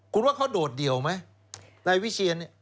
คุณว่าเขาโดดเดี่ยวไหม